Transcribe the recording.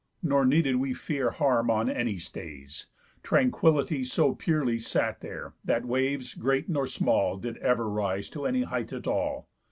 Nor needed we Fear harm on any stays, Tranquillity So purely sat there, that waves great nor small Did ever rise to any height at all.